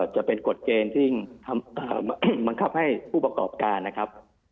จะเป็นกฎเกณฑ์ที่บังคับให้ผู้ประกอบการนะครับ